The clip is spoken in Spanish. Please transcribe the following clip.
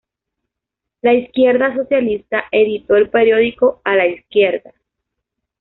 La Izquierda Socialista editó el periódico "A la Izquierda".